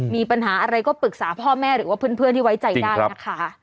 มีปัญหาอะไรก็ปรึกษาพ่อแม่หรือว่าเพื่อนที่ไว้ใจได้นะคะ